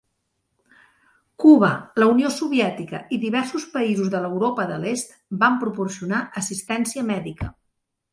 Cuba, la Unió Soviètica i diversos països de l'Europa de l'Est van proporcionar assistència mèdica.